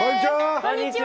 こんにちは！